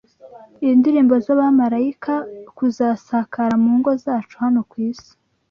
indirimbo z’abamarayika kuzasakara mu ngo zacu hano ku isi